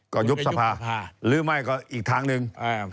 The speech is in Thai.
ก็ยุบสภาหรือไม่ก็อีกทางหนึ่ง